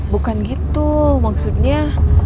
bukan gitu maksudnya